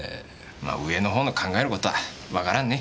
ま上の方の考える事はわからんね。